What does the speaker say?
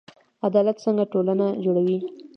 عدالت څنګه ټولنه جوړوي؟